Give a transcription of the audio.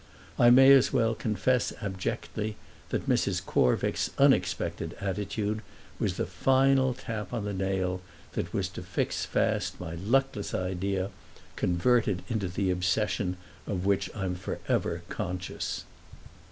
I may as well confess abjectly that Mrs. Corvick's unexpected attitude was the final tap on the nail that was to fix fast my luckless idea, convert it into the obsession of which I'm for ever conscious.